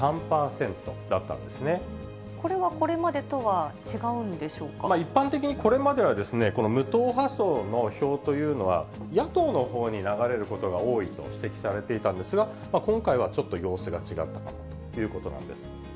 これはこれまでとは違うんで一般的にこれまでは、この無党派層の票というのは、野党のほうに流れることが多いと指摘されていたんですが、今回はちょっと様子が違ったということなんです。